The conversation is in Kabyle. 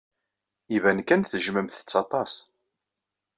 Iban kan tejjmemt-t aṭas.